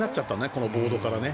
このボードからね。